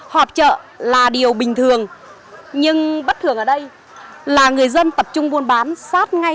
họp chợ là điều bình thường nhưng bất thường ở đây là người dân tập trung buôn bán sát ngay